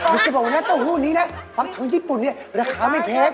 ดูจะบอกนะต้องหู้นี้นะฟังท่องญี่ปุ่นนี่ราคาไม่แพก